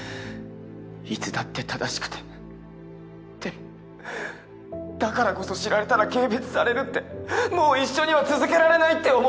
いつだって正しくてでもだからこそ知られたら軽蔑されるってもう一緒には続けられないって思った。